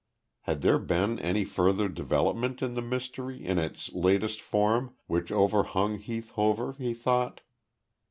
Had there been any further development in the mystery in its latest form which overhung Heath Hover, he thought?